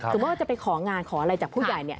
ว่าจะไปของานขออะไรจากผู้ใหญ่เนี่ย